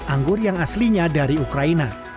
anggur yang aslinya dari ukraina